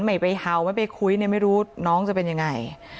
ไม่ไปเห่าไม่ไปคุยเนี่ยไม่รู้น้องจะเป็นยังไง